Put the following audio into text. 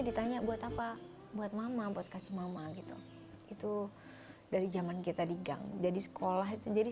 ditanya buat apa buat mama buat kasih mama gitu itu dari zaman kita digang jadi sekolah itu jadi